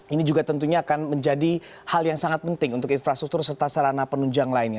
ini juga tentunya akan menjadi hal yang sangat penting untuk infrastruktur serta sarana penunjang lainnya